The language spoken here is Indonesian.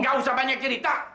gak usah banyak cerita